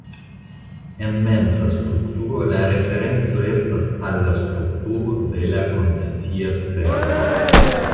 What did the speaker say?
En mensa strukturo la referenco estas al la strukturo de la "konscia sperto".